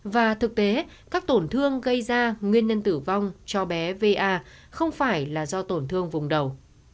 và thực tế các tổn thương gây ra nguyên nhân tử vong cho bé va không phải là do tổn thương vùng đầu